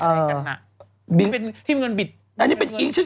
คุณหมอโดนกระช่าคุณหมอโดนกระช่า